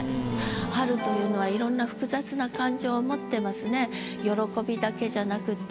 「春」というのはいろんな複雑な感情を持ってますね。